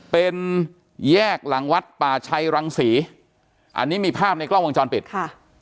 เป็นแยกหลังวัดป่าชัยรังศรีอันนี้มีภาพในกล้องวงจรปิดค่ะ